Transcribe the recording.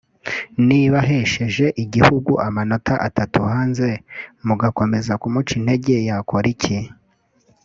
Niba ahasheje igihugu amanota atatu hanze mugakomeza kumuca intege yakora iki